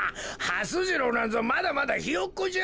はす次郎なんぞまだまだひよっこじゃ。